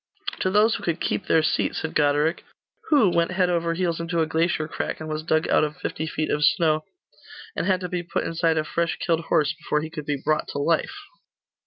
'To those who could keep their seat,' said Goderic. 'Who went head over heels into a glacier crack, and was dug out of fifty feet of snow, and had to be put inside a fresh killed horse before he could be brought to life?